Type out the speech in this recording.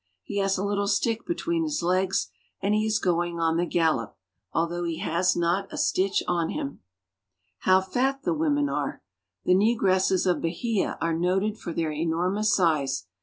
He has a little stick be tween his legs, and he is going on the gallop, al though he has not a stitch on him. How fat the women are! The negresses of ,.c ,,,„ Bahia are noted for their Each woman wears a turban." enormous size.